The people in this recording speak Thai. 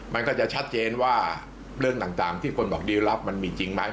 มันก็จะชัดเจนว่าเรื่องต่างที่คนบอกได้รับมันมีจริงไหม